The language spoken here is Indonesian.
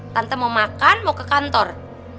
tante mau makan mau ke kantor